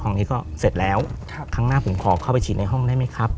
ของนี้ก็เสร็จแล้วครั้งหน้าผมขอเข้าไปฉีดในห้องได้ไหมครับ